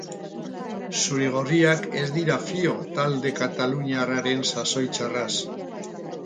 Zuri-gorriak ez dira fio talde kataluniarraren sasoi txarraz.